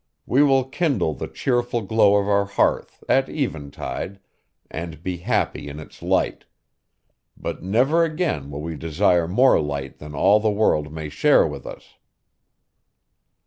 We will kindle the cheerful glow of our hearth, at eventide, and be happy in its light. But never again will we desire more light than all the world may share with us.